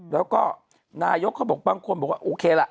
แล้วก็นายกเขาบอกบางคนบอกว่าโอเคล่ะ